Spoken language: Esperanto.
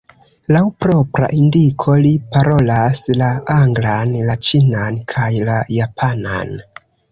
Laŭ propra indiko li parolas la anglan, la ĉinan kaj la japanan.